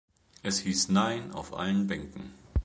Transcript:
Es hieß Nein auf allen Bänken.